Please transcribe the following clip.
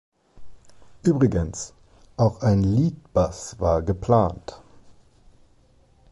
Übrigens: auch ein Lead-Bass war geplant.